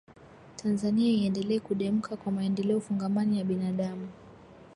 Tanzania iendelee kudemka kwa maendeleo fungamani ya binadamu